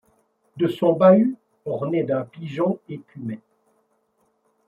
De son bahut, orné d’un pigeon, écumait ;